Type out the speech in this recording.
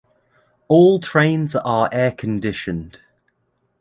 All trains are air conditioned.